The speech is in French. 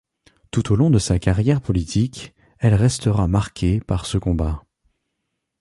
Tout au long de sa carrière politique, elle restera marquée par ce combat.